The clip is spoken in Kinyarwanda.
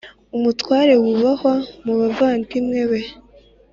Umutware yubahwa mu bavandimwe be,